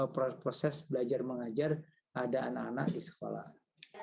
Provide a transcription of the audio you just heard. proses belajar mengajar ada anak anak di sekolah